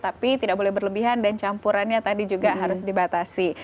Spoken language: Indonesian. tapi tidak boleh berlebihan dan campurannya tadi juga harus dibatasi